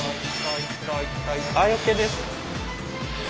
はいＯＫです。